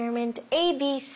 ＡＢＣ。